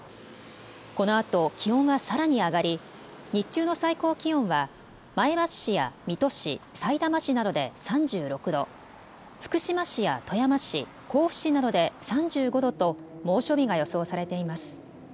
このあと気温はさらに上がり日中の最高気温は前橋市や水戸市、さいたま市などで３６度、福島市や富山市、甲府市などで３５度と猛暑日が予想されています。